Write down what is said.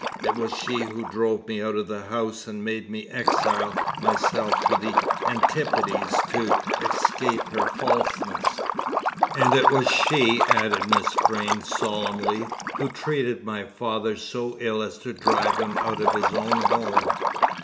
It was she who drove me out of the house and made me exile myself to the Antipodes to escape her falseness. And it was she," added Miss Vrain solemnly, "who treated my father so ill as to drive him out of his own home.